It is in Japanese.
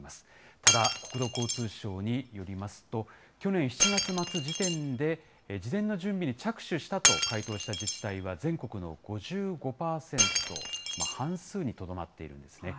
ただ、国土交通省によりますと、去年７月末時点で事前の準備に着手したと回答した自治体は、全国の５５％、半数にとどまっているんですね。